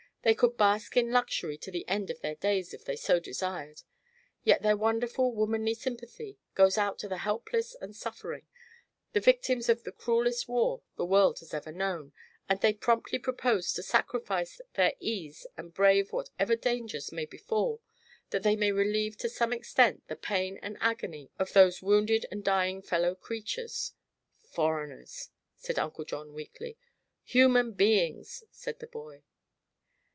They could bask in luxury to the end of their days, if they so desired. Yet their wonderful womanly sympathy goes out to the helpless and suffering the victims of the cruellest war the world has ever known and they promptly propose to sacrifice their ease and brave whatever dangers may befall, that they may relieve to some extent the pain and agony of those wounded and dying fellow creatures." "Foreigners," said Uncle John weakly. "Human beings," said the boy.